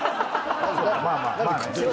まあまあまあね。